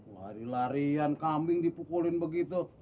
lari larian kambing dipukulin begitu